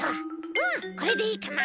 うんこれでいいかな？